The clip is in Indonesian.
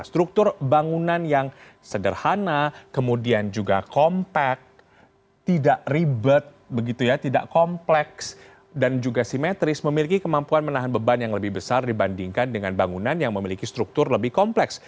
struktur bangunan yang sederhana kemudian juga kompak tidak ribet begitu ya tidak kompleks dan juga simetris memiliki kemampuan menahan beban yang lebih besar dibandingkan dengan bangunan yang memiliki struktur lebih kompleks